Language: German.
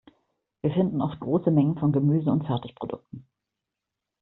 Wir finden oft große Mengen von Gemüse und Fertigprodukten.